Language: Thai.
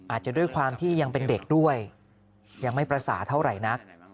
อาจจะด้วยความที่ยังเป็นเด็กด้วยยังไม่ประสาทเท่าไหร่นัก